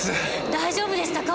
大丈夫でしたか？